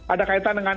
ada kaitan dengan